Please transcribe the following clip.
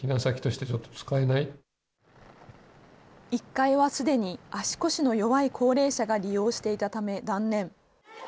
１階はすでに足腰の弱い高齢者が利用していたため断念。